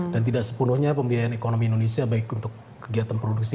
dan tidak sepenuhnya pembiayaan ekonomi indonesia baik untuk kegiatan produksi